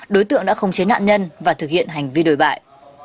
đối tượng đã không chế nạn nhân và thực hiện hành vi đồi bại